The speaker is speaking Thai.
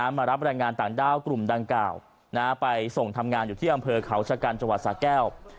มารับแรงงานต่างด้าวกลุ่มดังกล่าวไปส่งทำงานอยู่ที่อำเภอเขาชะกันจังหวัดสาแก้ว